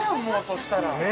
もう、そしたら。